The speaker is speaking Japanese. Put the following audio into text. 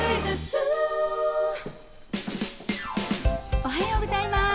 おはようございます。